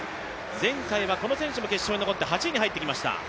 前回はこの選手も決勝に残って、８位に入ってきました。